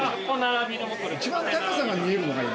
一番高さが見えるのがいいな。